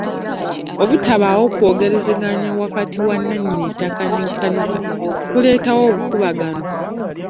Obutabaawo kwogerezeganya wakati wa nnannyini ttaka n'ekkanisa kuleetawo obukuubagano.